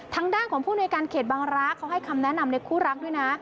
ทางด้านของผู้ในการเขตบางรักษ์เขาให้คำแนะนำในคู่รักด้วยนะ